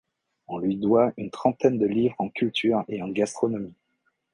On lui doit une trentaine de livres en culture et en gastronomie.